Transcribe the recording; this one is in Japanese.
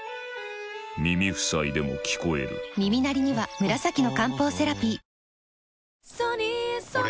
耳塞いでも聞こえる耳鳴りには紫の漢方セラピーおぉ・おぅ！